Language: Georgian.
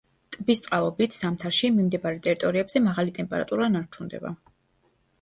ტბის წყალობით, ზამთარში, მიმდებარე ტერიტორიებზე მაღალი ტემპერატურა ნარჩუნდება.